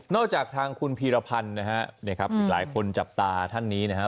จากทางคุณพีรพันธ์นะฮะอีกหลายคนจับตาท่านนี้นะฮะ